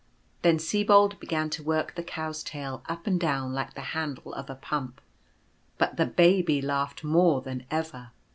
Then Sibold began to work the Cow's tail up and down like the handle of a pump ; but the Baby laughed more than ever.